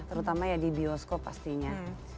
terutama ya di bioskop pastinya